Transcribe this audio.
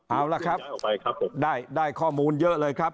เอาล่ะครับผมได้ข้อมูลเยอะเลยครับ